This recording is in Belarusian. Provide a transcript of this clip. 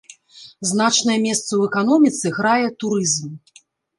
Значнае месца ў эканоміцы грае турызм.